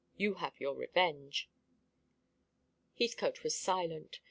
You have your revenge." Heathcote was silent.